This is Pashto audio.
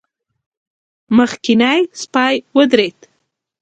مخکينی سپی ودرېد.